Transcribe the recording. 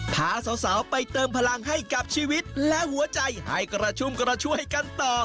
พาสาวไปเติมพลังให้กับชีวิตและหัวใจให้กระชุ่มกระช่วยกันต่อ